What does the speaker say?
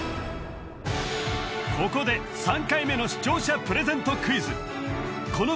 ここで３回目の視聴者プレゼント